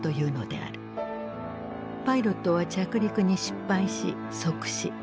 パイロットは着陸に失敗し即死。